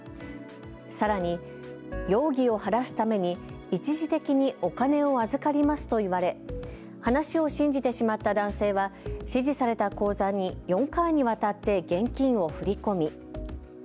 さらに容疑をはらすために一時的にお金を預かりますと言われ話を信じてしまった男性は指示された口座に４回にわたって現金を振り込み。